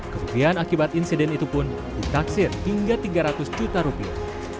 kerugian akibat insiden itu pun ditaksir hingga tiga ratus juta rupiah